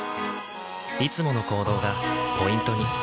いつもの行動がポイントに。